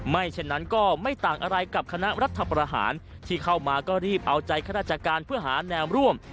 ฉะนั้นก็ไม่ต่างอะไรกับคณะรัฐประหารที่เข้ามาก็รีบเอาใจข้าราชการเพื่อหาแนวร่วม